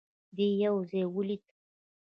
دی يو ځای ولوېد.